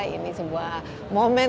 ini sebuah momen